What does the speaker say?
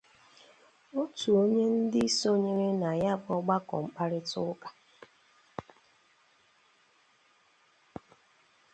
otu onye n'ime ndị sonyere na ya bụ ọgbakọ mkparịtaụka